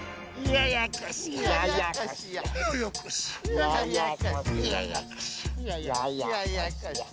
ややこしや。